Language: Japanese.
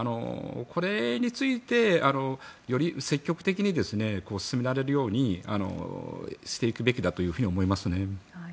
これについてより積極的に進められるようにしていくべきだと思います。